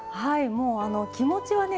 もう気持ちはね